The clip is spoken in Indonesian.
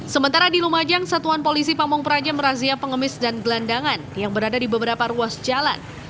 sementara di lumajang satuan polisi pamung praja merazia pengemis dan gelandangan yang berada di beberapa ruas jalan